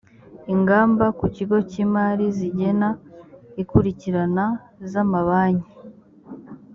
ingamba ku kigo cy imari zigena ikurikirana zamabanki